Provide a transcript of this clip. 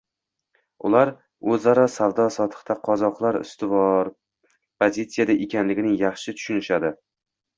Ular oʻzaro savdo-sotiqda qozoqlar ustuvor pozitsiyada ekanligini yaxshi tushunishadi.